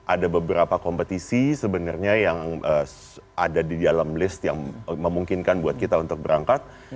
ada beberapa kompetisi sebenarnya yang ada di dalam list yang memungkinkan buat kita untuk berangkat